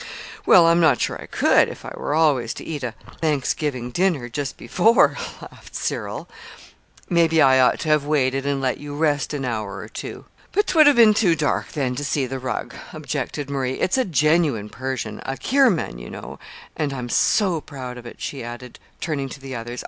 "Well, I'm not sure I could if I were always to eat a Thanksgiving dinner just before," laughed Cyril. "Maybe I ought to have waited and let you rest an hour or two." "But 'twould have been too dark, then, to see the rug," objected Marie. "It's a genuine Persian a Kirman, you know; and I'm so proud of it," she added, turning to the others.